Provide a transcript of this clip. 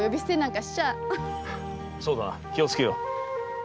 そうだな気をつけよう。